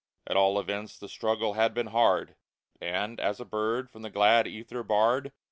At all events, the struggle had been hard ; And as a bird from the glad ether barred.